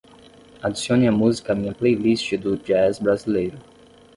Adicione a música à minha playlist do jazz brasileiro.